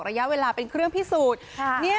ระยะเวลาเป็นเครื่องพิสูจน์